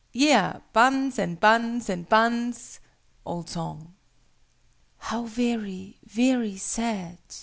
"Yea, buns, and buns, and buns!" OLD SONG. "How very, very sad!"